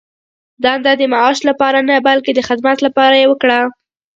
دنده د معاش لپاره نه، بلکې د خدمت لپاره یې وکړه.